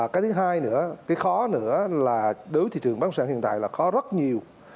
cái thứ hai nữa cái khó nữa là đối với thị trường bất sản hiện tại là có rất nhiều